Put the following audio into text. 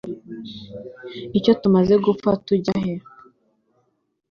iyo tumaze gupfa tujya he